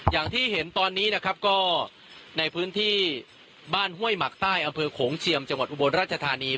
อย่างที่เห็นตอนนี้นะครับก็ในพื้นที่บ้านห้วยหมักใต้อำเภอโขงเจียมจังหวัดอุบลราชธานี